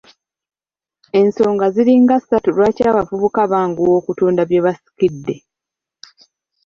Ensonga ziringa ssatu lwaki abavubuka banguwa okutunda bye basikidde.